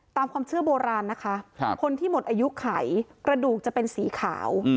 ตามความเชื่อโบราณนะคะคนที่หมดอายุไขกระดูกจะเป็นสีขาว